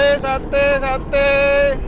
teh sateh sateh